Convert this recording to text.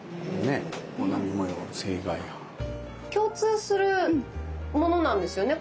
共通するものなんですよね？